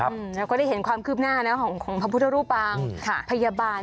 เราก็ได้เห็นความคืบหน้าของพระพุทธรูปังพยาบาล